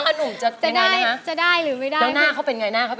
นี่พร้อมอินโทรเพลงที่สี่มาเลยครับ